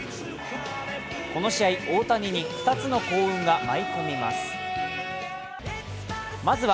この試合、大谷に２つの幸運が舞い込みます。